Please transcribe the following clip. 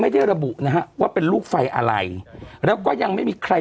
ไม่ได้ระบุนะฮะว่าเป็นลูกไฟอะไรแล้วก็ยังไม่มีใคร